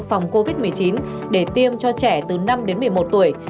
phòng covid một mươi chín để tiêm cho trẻ từ năm đến một mươi một tuổi